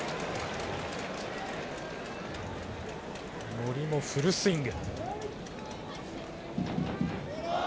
森もフルスイング。